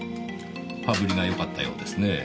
羽振りがよかったようですねぇ。